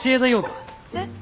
えっ。